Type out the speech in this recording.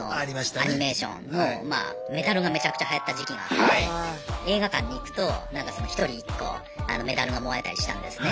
アニメーションのメダルがめちゃくちゃはやった時期があって映画館に行くと１人１個メダルがもらえたりしたんですね。